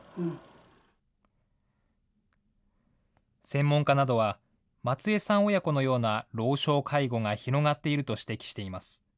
専門家などは、松江さん親子のような老障介護が広がっていると指摘しています。